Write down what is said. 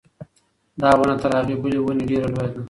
دا ونه تر هغې بلې ونې ډېره لویه ده.